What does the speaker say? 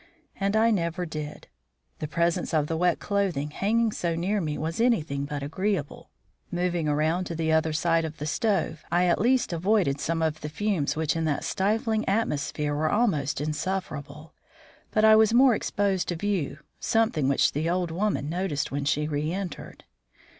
And I never did. The presence of the wet clothing hanging so near me was anything but agreeable. Moving around to the other side of the stove, I at least avoided some of the fumes which in that stifling atmosphere were almost insufferable; but I was more exposed to view, something which the old woman noticed when she reëntered.